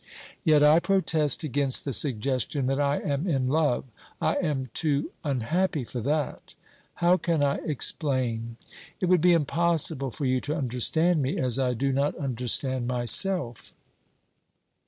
Yet I protest against the suggestion that I am in love ; I am too unhappy for that. How can I explain ?... It would be impossible for you to understand me, as I do not understand myself.